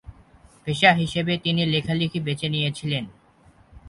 পেশা হিসেবে তিনি লেখালেখি বেছে নিয়েছিলেন।